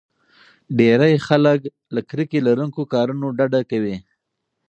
ډېری خلک له کرکې لرونکو کارونو ډډه کوي.